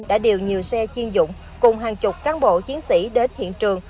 đã điều nhiều xe chiên dụng cùng hàng chục cán bộ chiến sĩ đến hiện trường